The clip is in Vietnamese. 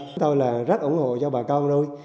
chúng tôi rất ủng hộ cho bà con nuôi